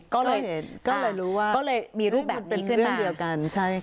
ก็เลยรู้ว่ามีรูปแบบนี้ขึ้นมา